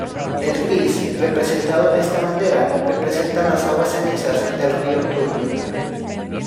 El gris representado en esta bandera representan las aguas cenizas del Río Turbio.